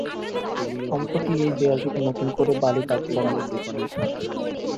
সম্প্রতি এই দেয়ালটিতে নতুন করে বালি-কাজ করা হয়েছিল।